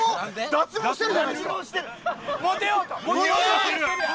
脱毛してる！